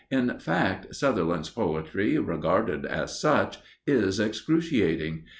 In fact, Sutherland's poetry, regarded as such, is excruciating.